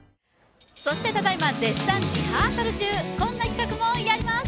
そしてただいま絶賛リハーサル中、こんな企画もやります。